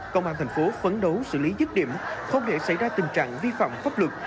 công an thành phố phấn đấu xử lý dứt điểm không để xảy ra tình trạng vi phạm pháp luật